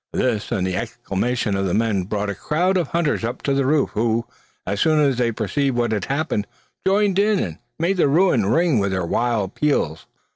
This and the exclamations of the men brought a crowd of hunters up to the roof, who, as soon as they perceived what had happened, joined in, and made the ruin ring with their wild peals.